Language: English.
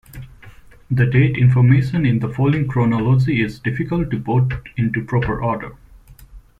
The date information in the following chronology is difficult to put into proper order.